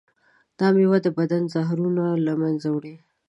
دا میوه د بدن زهرونه له منځه وړي.